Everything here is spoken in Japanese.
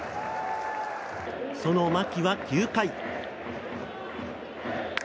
その牧は、９回。